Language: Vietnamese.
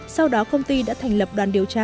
sau đó công ty đã thành lập đoàn điều tra